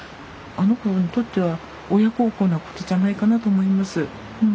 あの子にとっては親孝行なことじゃないかなと思います。